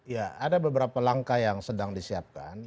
ya ada beberapa langkah yang sedang disiapkan